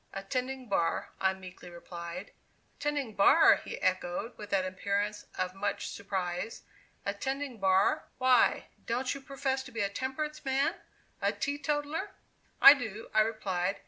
"Attending bar," I meekly replied. "Attending bar!" he echoed, with an appearance of much surprise; "Attending bar! Why, don't you profess to be a temperance man a teetotaler?" "I do," I replied.